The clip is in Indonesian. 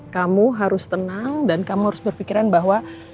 kamu harus tenang dan kamu harus berpikiran bahwa